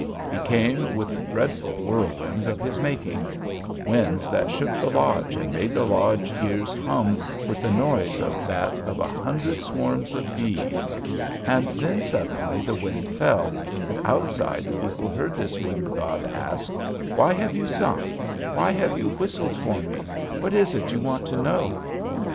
"He came with dreadful whirlwinds of his making. Winds that shook the lodge, and made the lodge ears hum with the noise of that of a hundred swarms of bees. And then, suddenly, the wind fell, and outside the people heard this wind god ask: 'Why have you sung why have you whistled for me what is it you want to know?'